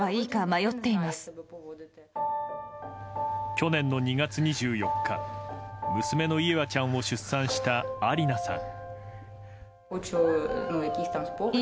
去年の２月２４日娘のイエワちゃんを出産したアリナさん。